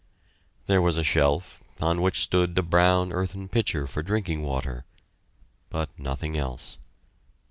There was a shelf, on which stood a brown earthen pitcher for drinking water but nothing else.